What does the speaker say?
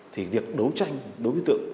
thì việc đấu tranh đối với tượng